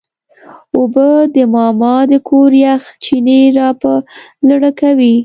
اوبه د ماما د کور یخ چینې راپه زړه کوي.